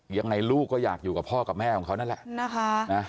ยังไงลูกก็อยากอยู่กับพ่อกับแม่ของเขานั่นแหละนะคะ